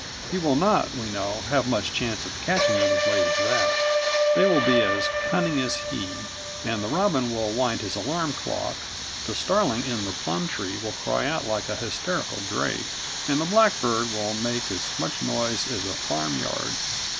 He will not, we know, have much chance of catching them as late as that. They will be as cunning as he, and the robin will wind his alarum clock, the starling in the plum tree will cry out like a hysterical drake, and the blackbird will make as much noise as a farmyard.